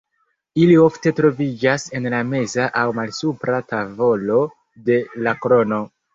Ili ofte troviĝas en la meza aŭ malsupra tavolo de la krono.